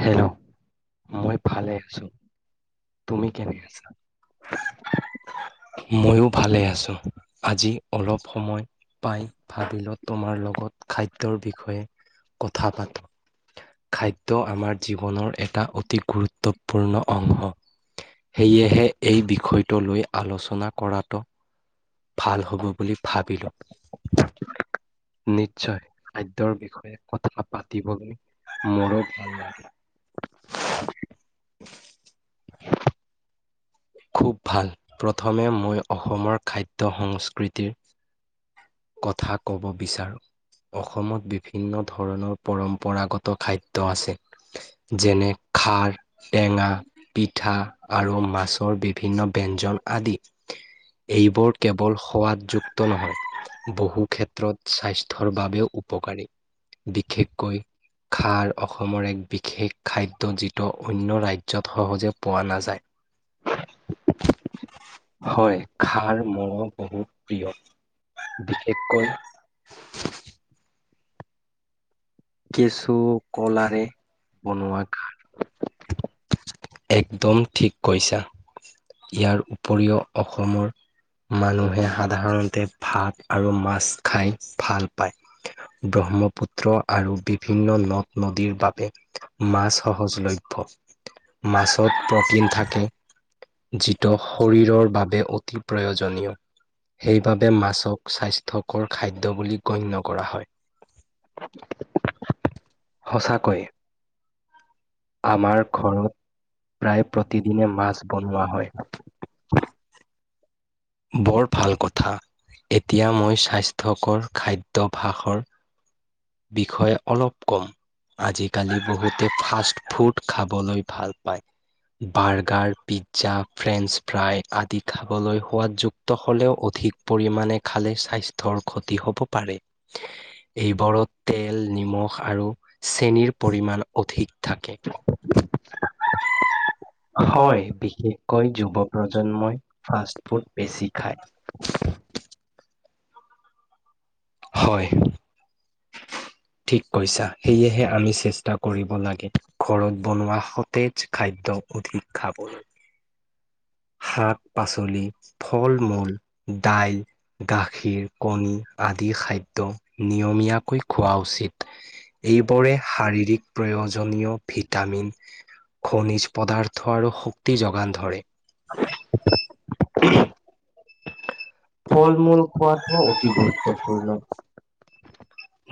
Hello মই ভালে আছো, তুমি কেনে আছা? [inaudible] মইওঁ ভালে আছো আজি অলপ সময় পাই ভাবিলো তোমাৰ লগত খাদ্যৰ বিষয়ে কথা পাতো। খাদ্য আমাৰ জীৱনৰ এটা অতি গুৰুত্বপূৰ্ণ অংশ। সেয়েহে এই বিষয়টো লৈ আলোচনা কৰাটো ভাল হ'ব বুলি ভাবিলো। নিশ্চয়। খাদ্যৰ বিষয়ে কথা পাতিবলৈ লাগে মোৰো ভাল লাগে। [inaudible] খুব ভাল। প্ৰথমে মই অসমৰ খাদ্য সংস্কৃ তিৰ কথা ক'ব বিচাৰো। অসমত বিভিন্ন ধৰণৰ পৰম্পৰাগত খাদ্য আছে। যেনে খাৰ, টেঙা, পিঠা আৰু মাছ ৰ বিভিন্ন ব্যঞ্জন আদি। এইবোৰ কেৱল সোৱাদযুক্ত নহয় বহু ক্ষেত্ৰত স্বাস্থ্যৰ বাবেও উপকাৰী। বিশেষকৈ খাৰ অসমৰ এক বিশেষ খাদ্য। যিটো অন্য ৰাজ্য 'ত সহজে পোৱা নাযায়। হয়, খাৰ মোৰো বহুত প্ৰিয়। বিশেষকৈ কিছু কলাৰে বনোৱা খাৰ একদম ঠিক কৈছা। ইয়াৰ উপৰিও অসমৰ মানুহে সাধাৰণতে ভাত আৰু মাছ খাই ভাল পায়। ব্ৰহ্মপুত্ৰ আৰু বিভিন্ন নদ নদীৰ বাবে মাছ সহজলভ্য। মাছত প্ৰটিন থাকে, যিটো শৰীৰৰ বাৱে অতি প্ৰয়োজনীয়। সেইবাবে মাছক স্বাস্থ্যৰ কৰ খাদ্য বুলি গণ্য কৰা হয়। সঁচাকৈ। আমাৰ ঘৰত প্ৰায় প্ৰতিদিনে মাছ বনোৱা হয়। বৰ ভাল কথা, এতিয়া মই স্বাস্থ্যকৰ খাদ্যভাসৰ বিষয়ে অলপ ক'ম, আজিকালি বহুত টো ফাষ্ট ফুড খাবলৈ ভাল পায়। বাৰ্গাৰ, পিজ্জা, ফ্ৰেঞ্চ ফ্ৰাই আদি খাবলৈ সোৱাদযুক্ত হ'লেও অধিক পৰিমানে খালে স্বাস্থ্যৰ ক্ষতি হ'ব পাৰে। এইবোৰত তেল নিমখ আৰু চেনীৰ পৰিমান অধিক থাকে। হয়। বিশেষকৈ যুৱ প্ৰজন্মই ফাষ্ট ফুড বেছি খায়। হয়। ঠিক কৈছা। সেয়েহে আমি চেষ্টা কৰিব লাগে। ঘৰত বনোৱা সতেজ খাদ্য অধিক খাবলৈ শাক-পাচলি ফল-মূল দাইল গাখীৰ কণী আদি খাদ্য নিয়মীয়াকৈ খোৱা উচিত। এইবোৰে শাৰীৰিক প্ৰয়োজনীয় ভিটামিন। খনিজ পদাৰ্থ আৰু শক্তি যোগান ধৰে। [unintelligible] ফল মূল খোৱাটো অতি গুৰুত্বপূৰ্ণ।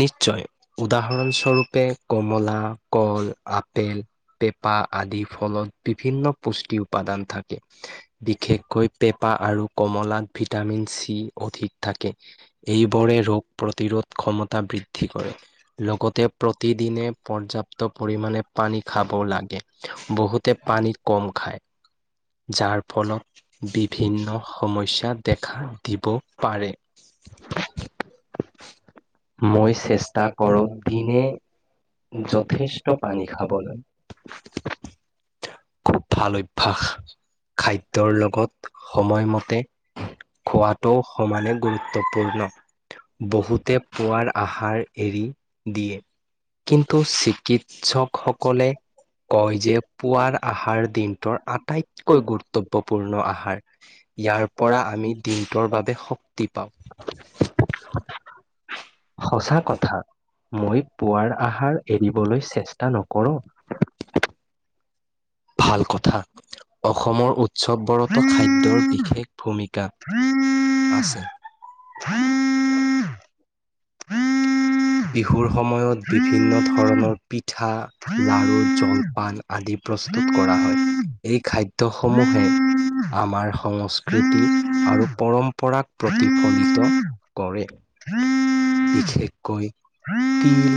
নিশ্চয়। উদাহৰণস্বৰূপে কমলা, কল, আপ পেল পেঁপা আদি ফলত বিভিন্ন পুষ্টি উপাদান থাকে। বিশেষকৈ পেপা আৰু কমলাত ভি ভিটামিন চি অধিক থাকে। এইবোৰে ৰোগ প্ৰতিৰোধ ক্ষমতা বৃদ্ধি কৰে লগতে প্ৰতিদিনে পৰ্যাপ্ত পৰিমাণে পানী খাব লাগে বহুতে পানী কম খায় যাৰ ফলত বিভিন্ন সমস্যা দেখা দিব পাৰে মই চেষ্টা কৰো দিনে যথেষ্ট পানী খাবলৈ খুব ভাল অভ্যাস খাদ্যৰ লগত সময়মতে খোৱাটো সমানে গুৰুত্বপূৰ্ণ বহুতে পুৱাৰ আহাৰ এৰি দিয়ে কিন্তু চিকিৎসকসকলে কয় যে পুৱাৰ আহাৰ দিনটোৰ আটাইত কৈ গুৰুত্বপূৰ্ণ আহাৰ ইয়াৰ পৰা আমি দিনটোৰ বাবে শক্তি পাওঁ সচাঁ কথা মই পুৱাৰ আহাৰ এৰিবলৈ চেষ্টা নকৰোঁ ভাল কথা অসমৰ উৎ [unintelligible] [unintelligible] বিহুৰ সময়ত বিভিন্ন ধৰণৰ পিঠা লাৰু জল পান আদি প্ৰস্তুত কৰা হয় এই খাদ্য সমূহে আমাৰ সংস্কৃতি আৰু পৰম্পৰাক প্ৰতিফলিত কৰে [unintelligible] বিশেষকৈ তিল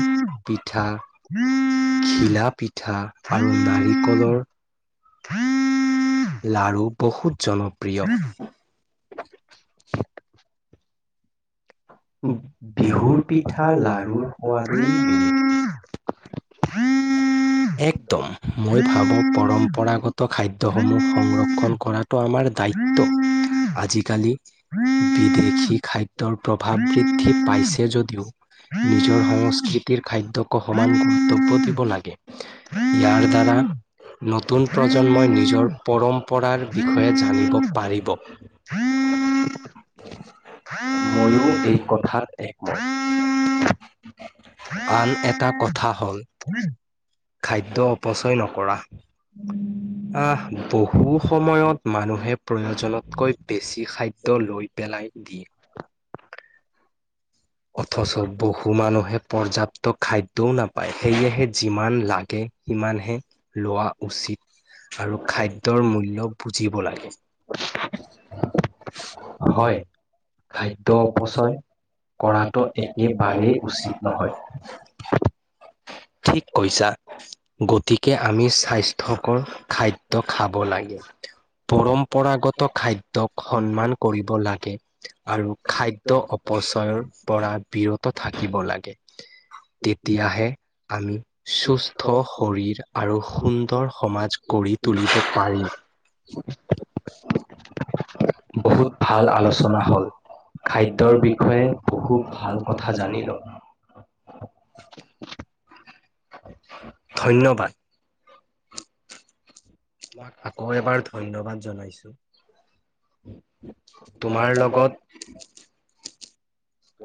পিঠা ঘিলাপিঠা আৰু নাৰিকলৰ লাড়ু বহুত জনপ্ৰিয় বিহুৰ পিঠা লাৰুৰ সোৱাদে [unintelligible] একদম মই ভাবোঁ পৰম্পৰাগত খাদ্যসমূহ সংৰক্ষণ কৰাত টো আমাৰ দায়িত্ব আজিকালি বিদেশী খাদ্যৰ প্ৰভাৱ বৃদ্ধি পাইছে যদিও নিজৰ সংস্কৃতিৰ খাদ্যকো সমান গুৰুতব্য দিব লাগে ইয়াৰ দ্বাৰা নতুন প্ৰজন্মই নিজৰ পৰম্পৰাৰ বিষয়ে জানিব পাৰিব ময়ো এই কথাত একমত আন এটা কথা হ'ল খাদ্য অপচয় নকৰা আহ বহু সময়ত মানুহে প্ৰয়োজনতকৈ বেছি খাদ্ দ্য লৈ পেলাই দিয়ে অথচ বহু মানুহে পৰ্যাপ্ত খাদ্যও নাপায় সেয়েহে যিমান লাগে সিমান হে লোৱা উচিত আৰু খাদ্যৰ মূল্য বুজিব লাগে হয় খাদ্ দ্য অপচয় কৰাটো একেবাৰেই উচিত নহয়। ঠিক কৈছা, গতিকে আমি স্বাস্থ্য ক'ৰ খাদ্য খাব লাগে। পৰম্পৰাগত খাদ্যক সন্মান কৰিব লাগে। আৰু খাদ্য অপচয়ৰ। পৰা বিৰত থাকিব লাগে, তেতিয়াহে আমি সুস্থ শৰীৰ আৰু সুন্দৰ সমাজ গঢ়ি তুলিব পাৰিম। [unintelligible] ভাল আলোচনা হ'ল। খাদ্যৰ বিষয়ে খুব ভাল কথা জানিলোঁ। ধন্যবাদ। [unintelligible] তোমাক আকৌ এবাৰ ধন্যবাদ জনাইছোঁ। তোমাৰ লগত [unintelligible]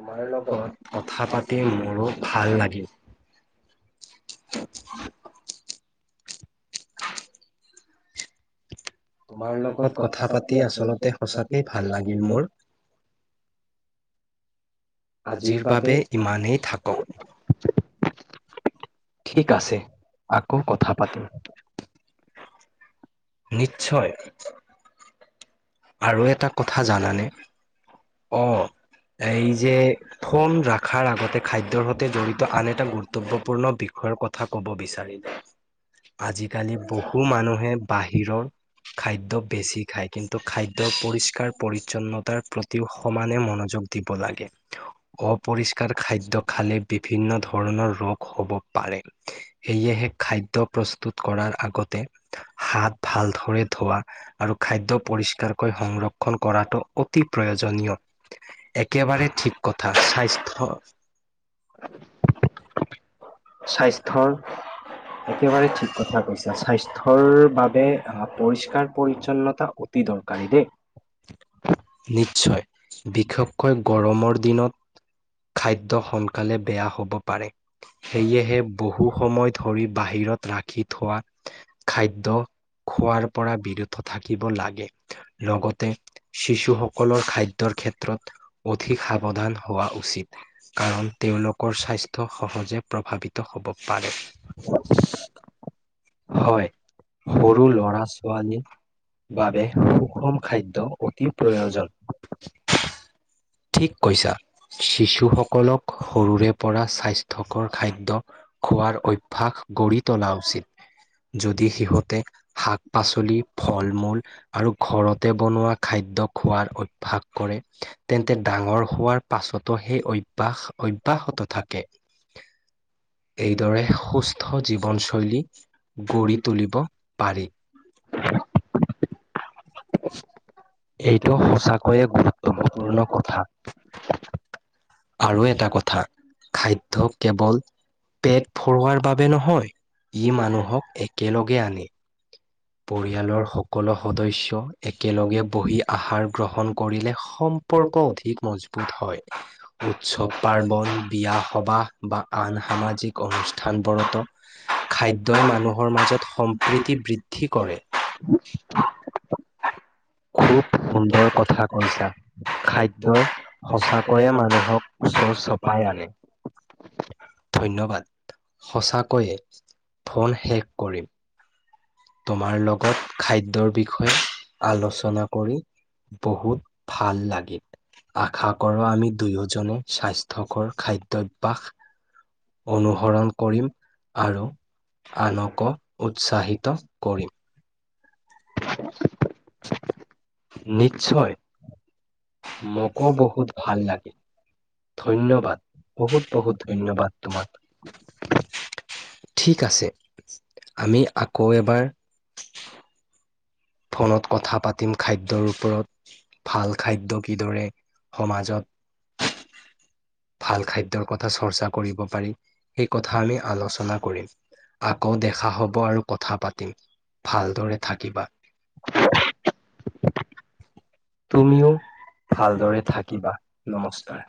তোমাৰ লগত কথা পাতি মোৰো ভাল লাগিল। [inaudible] তোমাৰ লগত কথা পাতি আচলতে সঁচাকে ভাল লাগিল মোৰ। আজিৰ বাবে ইমানেই থাকক ঠিক আছে, আকৌ কথা পাতিম। নিশ্চয়। আৰু এটা কথা জানানে? অ' এই যে ফোন ৰাখাৰ আগতে খাদ্যৰ সৈতে জড়িত আন এটা গুৰুত্বপূৰ্ণ বিষয়ৰ কথা ক'ব বিচাৰিম। আজিকালি বহু মানুহে বাহিৰত খাদ্য বেছি খায়। কিন্তু খাদ্যৰ পৰিষ্কাৰ পৰিচ্ছন্নতাৰ প্ৰতি তিও সমানে মনোযোগ দিব লাগে। অপৰিষ্কাৰ খাদ্য খালে বিভিন্ন ধৰণৰ ৰোগ হ'ব পাৰে। সেয়েহে খাদ্য প্ৰস্তুত কৰাৰ আগতে হাত ভালদৰে ধোৱা আৰু খাদ্য পৰিষ্কাৰকৈ সংৰক্ষণ কৰাটো অতি প্ৰয়োজনীয়। একেবাৰে ঠিক কথা স্বাস্থ্য [unintelligible] স্বাস্থ্যৰ একেবাৰে ঠিক কথা কৈছা, স্বাস্থ্যৰ বাবে আহ পৰিষ্কাৰ পৰিচ্ছন্নতা অতি দৰকাৰী দেই। নিশ্চয় বিশেষকৈ গৰমৰ দিনত খাদ্য সোনকালে বেয়া হ'ব পাৰে। সেয়েহে বহু সময় ধৰি বাহিৰত ৰাখি থোৱা খাদ্য খোৱাৰ পৰা বিৰত থাকিব লাগে, লগতে শিশুসকলৰ খাদ্যৰ ক্ষেত্ৰত অধিক সাৱধান হোৱা উচিত। কাৰণ তেওঁলোকৰ স্বাস্থ্য সহজে প্ৰভাৱিত হ'ব পাৰে। হয়, সৰু ল'ৰা ছোৱালীৰ বাবে সুষম খাদ্য অতি প্ৰয়োজন। ঠিক কৈছা। শিশুসকলক সৰুৰে পৰা স্বাস্থ্যকৰ খাদ্য। খোৱাৰ অভ্যাস গঢ়ি তোলা উচিত। যদি সিহঁতে শাক পাচলি ফল মূল আৰু ঘৰতে বনোৱা খাদ্য খোৱাৰ অভ ভ্যাস কৰে তেন্তে ডাঙৰ হোৱাৰ পাছতো সেই অভ্যাস অভ্যাসত থাকে। [inaudible] এইদৰে সুস্থ জীৱনশৈলী গঢ়ি তুলিব পাৰি। এইটো সঁচা ক কৈয়ে গুৰুত্ববপূৰ্ণ কথা। [inaudible] আৰু এটা কথা খাদ্য কেৱল পেট ভৰোৱাৰ বাবে নহয় ই মানুহক একেলগে আনে। পৰিয়ালৰ সকলো সদস্য একেলগে বহি আহাৰ গ্ৰহণ কৰিলে সম ম্পৰ্ক অধিক মজবুত হয়। উৎসৱ-পাৰ্বন, বিয়া-সবাহ বা আন সামাজিক অনুষ্ঠানবৰতো খাদ্যই মানুহৰ মাজত সম্প্ৰীতি বৃদ্ধি কৰে, খুব সুন্দৰ কথা কৈছে খাদ্যই সচাকৈয়ে মানুহক উৎসৰ চপাই আনে। ধন্যবাদ সঁচাকৈয়ে ফোন শেষ কৰিম। তোমাৰ লগত খাদ্যৰ বিষয়ে আলোচনা কৰি বহুত ভাল লাগিল। আশা কৰো আমি দুয়োজনে স্বাস্থ্যকৰ খাদ্যভ্যাস অনুসৰণ কৰিম আৰু আনকো উৎসাহিত কৰিম। নিশ্চয়, মোকো বহুত ভাল লাগিল। ধন্যবাদ বহুত বহুত ধন্যবাদ তোমাক। ঠিক আছে আমি আকৌ এবাৰ ফোনত কথা পাতিম খাদ্যৰ ওপৰত, ভাল খাদ্য কিদৰে সমাজত ভাল খাদ্যৰ কথা চৰ্চা কৰিব পাৰি সেই কথা আমি আলোচনা কৰিম। আকৌ দেখা হ'ব আৰু কথা পাতিম ভালদৰে থাকিবা। তুমিও ভালদৰে থাকিবা নমস্কাৰ।